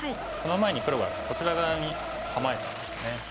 その前に黒がこちら側に構えたんですね。